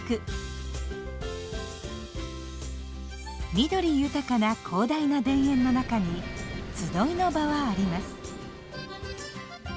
緑豊かな広大な田園の中に「集いの場」はあります。